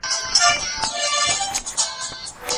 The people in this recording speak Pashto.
افغان ډیپلوماټان بهر ته د سفر ازادي نه لري.